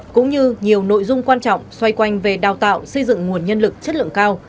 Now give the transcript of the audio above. cũng như nhiều nội dung quan trọng xoay quanh về đào tạo xây dựng nguồn nhân lực chất lượng cao